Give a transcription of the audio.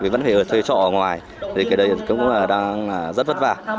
vấn đề thuê trọ ở ngoài thì cái đấy cũng đang rất vất vả